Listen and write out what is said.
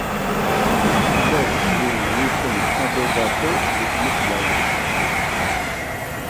Ulac win yifen abugaṭu deg tmeslayt.